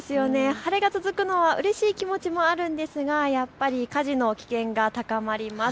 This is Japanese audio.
晴れが続くのはうれしい気持ちもあるんですがやっぱり火事の危険が高まります。